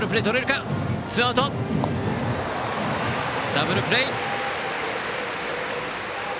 ダブルプレー！